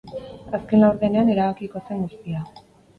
Azken laurdenean erabakiko zen guztia.